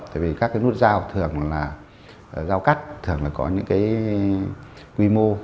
tại vì các cái nút giao thường là giao cắt thường là có những cái quy mô